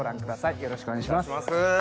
よろしくお願いします。